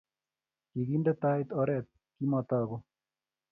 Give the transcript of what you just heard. kikinde tai oret kimataku